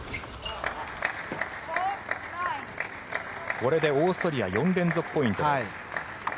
これでオーストリア４連続ポイント。